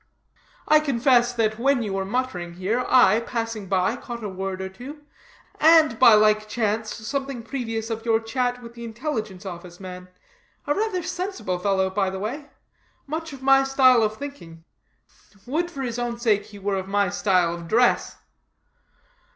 "I confess that when you were muttering here I, passing by, caught a word or two, and, by like chance, something previous of your chat with the Intelligence office man; a rather sensible fellow, by the way; much of my style of thinking; would, for his own sake, he were of my style of dress.